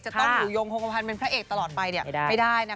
จะต้องอยู่ยงฮงความภัณฑ์เป็นพระเอกตลอดไปเนี่ยไม่ได้นะ